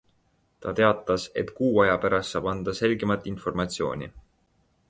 Ta teatas, et kuu aja pärast saab anda selgemat informatsiooni.